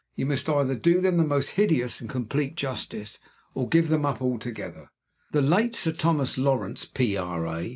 You must either do them the most hideous and complete justice, or give them up altogether. The late Sir Thomas Lawrence, P.R.A.